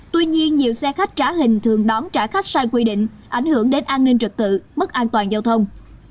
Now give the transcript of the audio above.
tuy nhiên nhiều xe khách trả hình thường đón trả khách sai quy định ảnh hưởng đến an ninh trật tự mất an toàn giao thông